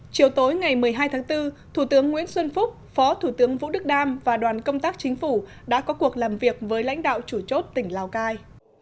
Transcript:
chiều tối ngày một mươi hai tháng bốn thủ tướng nguyễn xuân phúc phó thủ tướng vũ đức đam và đoàn công tác chính phủ đã có cuộc làm việc với lãnh đạo chủ chốt tỉnh lào cai